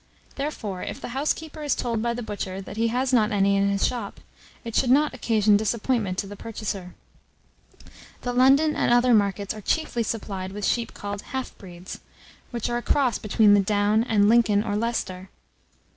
Therefore, if the housekeeper is told by the butcher that he has not any in his shop, it should not occasion disappointment to the purchaser. The London and other markets are chiefly supplied with sheep called half breeds, which are a cross between the Down and Lincoln or Leicester.